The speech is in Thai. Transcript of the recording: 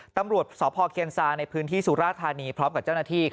ตำรวจสพเคียนซาในพื้นที่สุราธานีพร้อมกับเจ้าหน้าที่